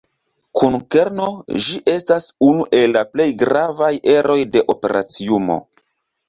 Kun kerno, ĝi estas unu el la plej gravaj eroj de operaciumo.